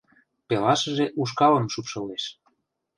Пелашыже ушкалым шупшылеш.